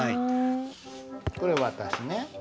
これ私ね。